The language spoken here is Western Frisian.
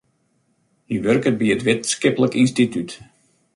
Hy wurket by in wittenskiplik ynstitút.